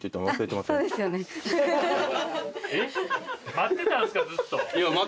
待ってたんすかずっと。